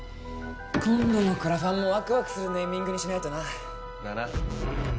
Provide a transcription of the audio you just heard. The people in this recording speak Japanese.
今度のクラファンもワクワクするネーミングにしないとな。だな。